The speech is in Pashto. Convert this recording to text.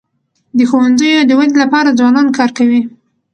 د ښوونځیو د ودی لپاره ځوانان کار کوي.